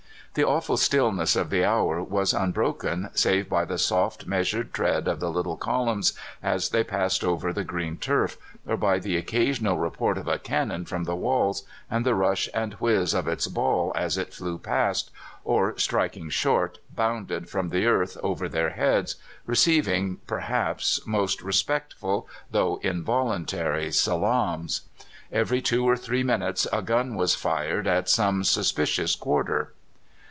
The awful stillness of the hour was unbroken save by the soft, measured tread of the little columns as they passed over the green turf, or by the occasional report of a cannon from the walls, and the rush and whizz of its ball as it flew past, or striking short, bounded from the earth over their heads, receiving, perhaps, most respectful, though involuntary, salaams. Every two or three minutes a gun was fired at some suspicious quarter.